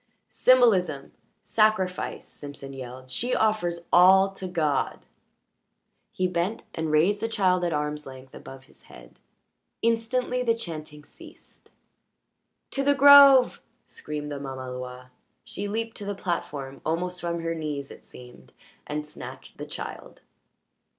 "Symbolism! Sacrifice!" Simpson yelled. "She offers all to God!" He bent and raised the child at arm's length above his head. Instantly the chanting ceased. "To the grove!" screamed the mamaloi. She leaped to the platform, almost from her knees it seemed, and snatched the child.